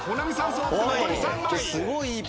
揃って残り３枚。